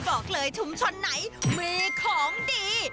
บอกเลยชุมชนไหนมีของดี